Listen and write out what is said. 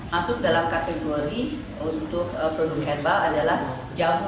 masuk dalam kategori untuk produk herbal adalah jamu